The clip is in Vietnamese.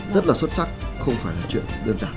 rất là xuất sắc không phải là chuyện đơn giản